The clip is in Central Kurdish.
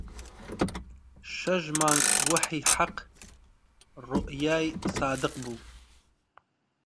شەش مانگ وەحی حەق ڕوئیای سادق بوو